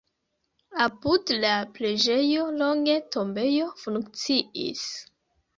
Apud la preĝejo longe tombejo funkciis.